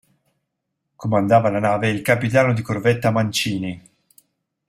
Comandava la nave il capitano di corvetta Mancini.